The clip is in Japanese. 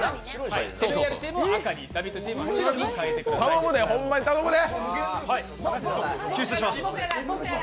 頼むで、ほんまに頼むで！